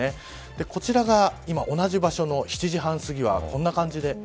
こちらが今同じ場所の７時半すぎはこんな感じで。